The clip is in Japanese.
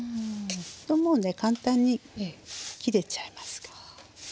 もうね簡単に切れちゃいますから。